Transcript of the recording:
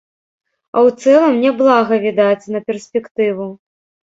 А ў цэлым, няблага, відаць, на перспектыву.